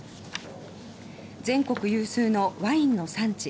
全国有数のワインの産地